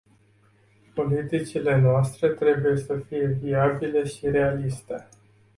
Politicile noastre trebuie să fie viabile și realiste.